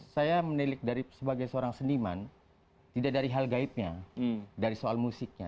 saya menilik dari sebagai seorang seniman tidak dari hal gaibnya dari soal musiknya